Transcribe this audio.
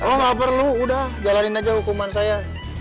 oh nggak perlu udah jalanin aja hukuman saya